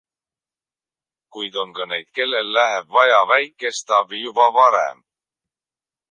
Kuid on ka neid, kellel läheb vaja väikest abi juba varem.